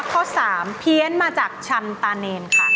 ข้อ๓เพี้ยนมาจากชันตาเนรค่ะ